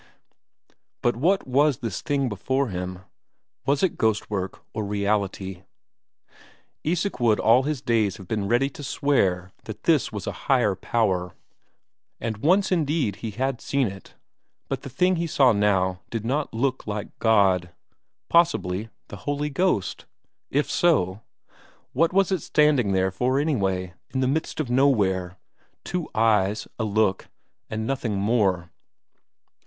But what was this thing before him? Was it ghost work or reality? Isak would all his days have been ready to swear that this was a higher power, and once indeed he had seen it, but the thing he saw now did not look like God. Possibly the Holy Ghost? If so, what was it standing there for anyway, in the midst of nowhere; two eyes, a look, and nothing more?